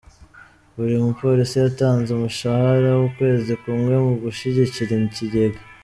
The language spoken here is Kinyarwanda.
Buri mupolisi yatanze umushahara w’ukwezi kumwe mu gushyigikira ikigega